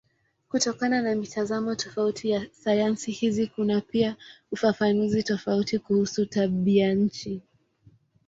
Kutokana na mitazamo tofauti ya sayansi hizi kuna pia ufafanuzi tofauti kuhusu tabianchi.